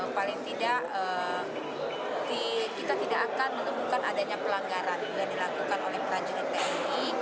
paling tidak kita tidak akan menemukan adanya pelanggaran yang dilakukan oleh prajurit tni